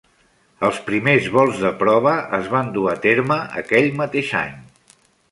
Els primers vols de prova es van dur a terme aquell mateix any.